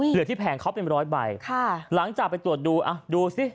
เหลือที่แผงเขาเป็นร้อยใบค่ะหลังจากไปตรวจดูอ่ะดูสิ